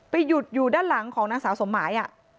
หยุดอยู่ด้านหลังของนางสาวสมหมาย